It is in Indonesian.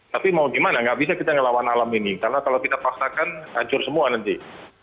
tapi mau di mana tidak bisa kita melawan alam ini karena kalau kita pastakan hancur semua nanti